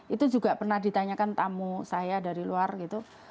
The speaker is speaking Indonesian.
itu juga pernah ditanyakan tamu saya dari luar gitu